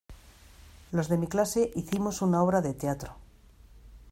los de mi clase hicimos una obra de teatro.